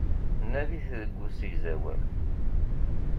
Nadit deg usegzawal.